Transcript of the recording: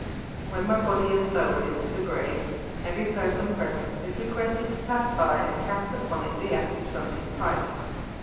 When my body is lowered into the grave every person present is requested to pass by and cast upon it the ashes from his pipe."